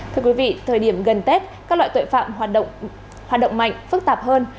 thưa quý vị thời điểm gần tết các loại tội phạm hoạt động mạnh phức tạp hơn